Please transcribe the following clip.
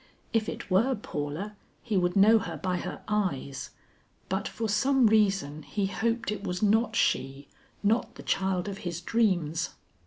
If it were Paula, he would know her by her eyes, but for some reason he hoped it was not she, not the child of his dreams.